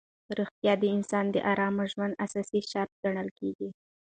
روغتیا د انسان د ارام ژوند اساسي شرط ګڼل کېږي.